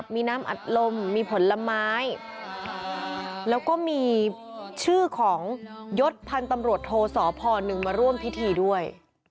มีน้ำอัดลมมีผลไม้แล้วก็มีชื่อของยศพันธ์ตำรวจโทสพหนึ่งมาร่วมพิธีด้วย